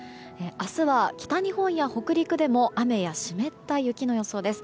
明日は北日本や北陸でも雨や湿った雪の予想です。